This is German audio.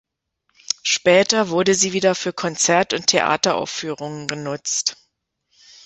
Später wurde sie wieder für Konzert- und Theateraufführungen genutzt.